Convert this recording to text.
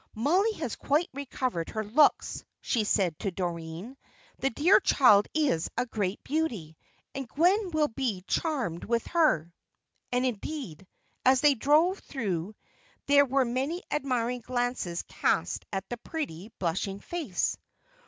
"Mollie has quite recovered her looks," she said to Doreen; "the dear child is a great beauty, and Gwen will be charmed with her." And, indeed, as they drove through there were many admiring glances cast at the pretty, blushing face.